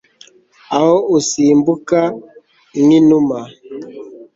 Aho usimbuka nkinuma